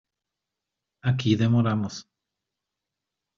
aquí demoramos.